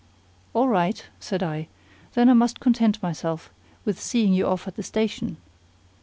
"All right," said I; "then I must content myself with seeing you off at the station."